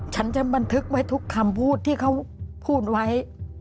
ฉันจะบันทึกไว้ทุกคำพูดที่เขาพูดไว้